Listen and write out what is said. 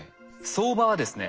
相場はですね